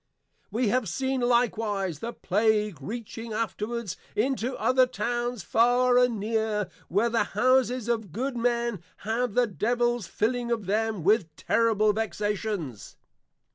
We have seen likewise the Plague reaching afterwards into other Towns far and near, where the Houses of good Men have the Devils filling of them with terrible Vexations!